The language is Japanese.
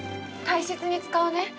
大切に使うね。